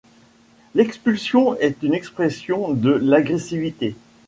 L'expulsion est une expression de l'agressivité.